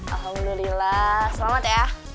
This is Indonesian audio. alhamdulillah selamat ya